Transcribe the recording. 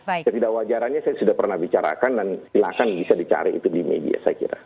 jadi kalau tidak wajarannya saya sudah pernah bicarakan dan silahkan bisa dicari itu di media saya kira